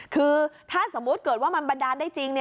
คือถ้าสมมุติเกิดว่ามันบันดาลได้จริง